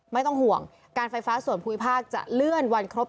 ไม่ต้องห่วงการไฟฟ้าส่วนภูมิภาคจะเลื่อนวันครบ